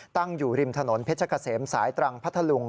ตั้งอยู่ริมถนนเพชรเกษมสายตรังพัทธลุง